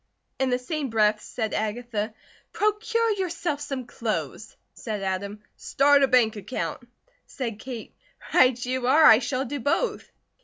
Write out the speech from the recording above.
In the same breath said Agatha: "Procure yourself some clothes!" Said Adam: "Start a bank account!" Said Kate: "Right you are! I shall do both."